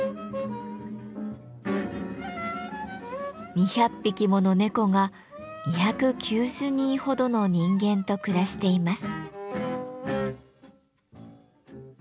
２００匹もの猫が２９０人ほどの人間と暮らしています。